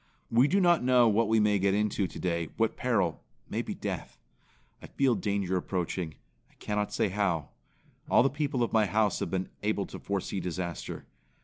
We do not know what we may get into today, what peril maybe death. I feel danger approaching; I cannot say how. All the people of my house have been able to foresee disaster.